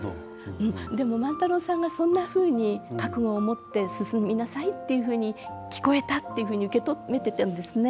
でも万太郎さんがそんなふうに覚悟を持って進みなさいっていうふうに聞こえたっていうふうに受け取めてたんですね。